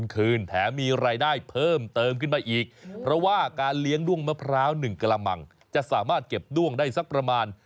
ขายได้เท่าไหร่